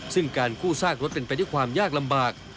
ซึ่งการกู้ซากรถเป็นไปด้วยความยากลำบาก